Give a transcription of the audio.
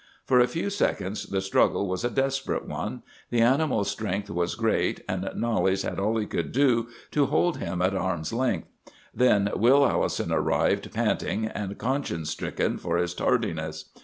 "For a few seconds the struggle was a desperate one. The animal's strength was great, and Knollys had all he could do to hold him at arm's length. Then Will Allison arrived, panting, and conscience stricken for his tardiness.